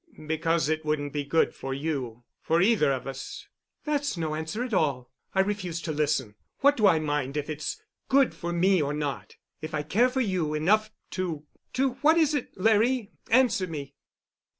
"Because it wouldn't be good for you—for either of us." "That's no answer at all. I refuse to listen. What do I mind if it's good for me or not—if I care for you enough to—to—what is it, Larry? Answer me."